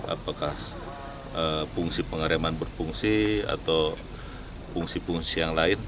apakah fungsi pengareman berfungsi atau fungsi fungsi yang lain